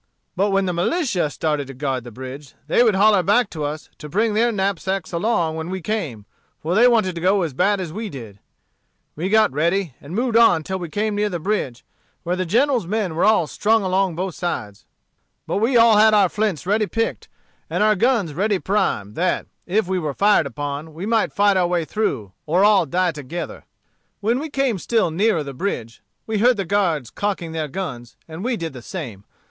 But when the militia started to guard the bridge, they would holler back to us to bring their knapsacks along when we came; for they wanted to go as bad as we did. We got ready, and moved on till we came near the bridge, where the General's men were all strung along on both sides. But we all had our flints ready picked and our guns ready primed, that, if we were fired on, we might fight our way through, or all die together. "When we came still nearer the bridge we heard the guards cocking their guns, and we did the same.